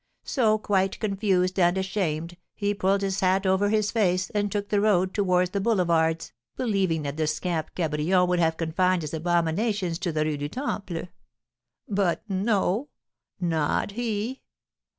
So, quite confused and ashamed, he pulled his hat over his face, and took the road towards the Boulevards, believing that the scamp Cabrion would have confined his abominations to the Rue du Temple. But no not he!